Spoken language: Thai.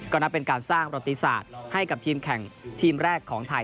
ก็นับเป็นการสร้างประติศาสตร์ให้กับทีมแข่งทีมแรกของไทย